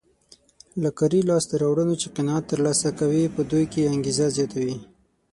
له کاري لاسته راوړنو چې قناعت ترلاسه کوي په دوی کې انګېزه زیاتوي.